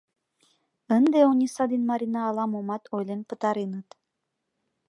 Ынде Ониса ден Марина ала-момат ойлен пытареныт.